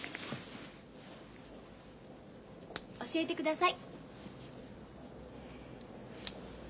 教えてください。